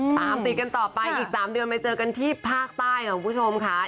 ตามติดกันต่อไปอีก๓เดือนไปเจอกันที่ภาคใต้ค่ะคุณผู้ชมค่ะ